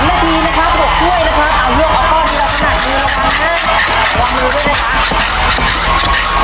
ท้วยที่สี่แล้วนะครับท้วยที่สี่ระวังมือนะคุณ